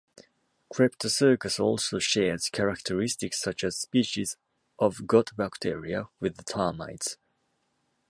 "Cryptocercus" also shares characteristics such as species of gut bacteria with the termites.